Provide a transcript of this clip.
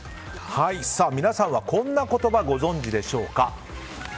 皆さんはこんな言葉ご存じでしょうか。